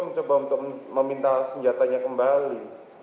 mencoba untuk meminta senjatanya kembali